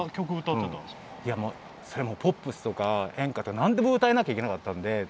ポップスとか演歌とか何でも歌えなきゃいけなかったんで当時はね。